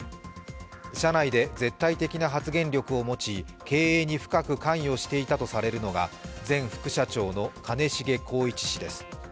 社内で絶対的な発言力を持ち経営に深く関与していたとされているのが前副社長の兼重宏一氏です。